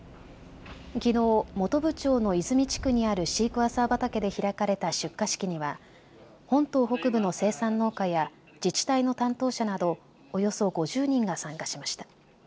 きのう本部町の伊豆見地区にあるシークヮーサー畑で開かれた出荷式には本島北部の生産農家や自治体の担当者などおよそ５０人が参加しました。